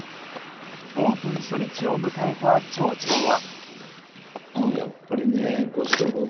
オープン初日を迎えた町長は。